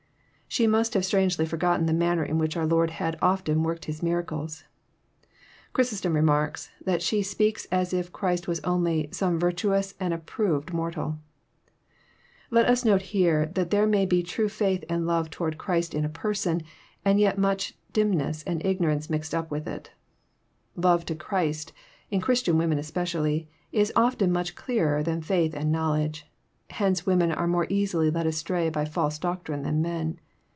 She mast have strangely forgotten the manner in which oar Lord had often worked His miracles. Chrysostom remarlcs, that she speaks as if Clirist was only " some Yirtaoos and approved mor tal Let OS note here that there may be trae fiilth and love toward Christ in a person, and yet mnch dimness and ignorance mixed np with it. LoTe to Christ, in Christian women especially, is often mnch clearer than faith and knowledge. Hence women are more easily led astray by false doctrine than men.